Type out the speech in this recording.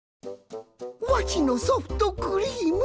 わしのソフトクリーム！